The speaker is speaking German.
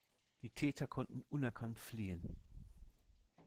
Die Täter konnten unerkannt fliehen.